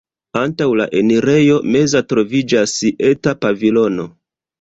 Antaŭ la enirejo meza troviĝas eta pavilono.